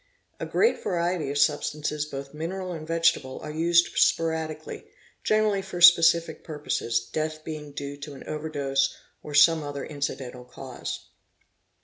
<A great variety of substances both mineral and vegetable are used sporadically, generally for specific purposes, death being due to _ an over dose or some other incidental cause.